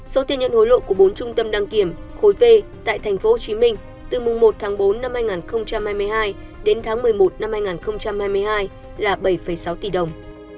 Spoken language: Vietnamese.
số tiền nhận hối lộ của bốn trung tâm đăng kiểm khối v tại tp hcm từ mùng một tháng bốn năm hai nghìn hai mươi hai đến tháng một mươi một năm hai nghìn hai mươi hai là bảy sáu tỷ đồng